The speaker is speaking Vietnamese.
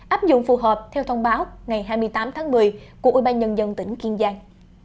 áp dụng phù hợp theo thông báo ngày hai mươi tám tháng một mươi của ubnd tỉnh kiên giang